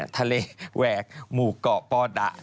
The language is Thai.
แหวกหมู่เกาะปอดะ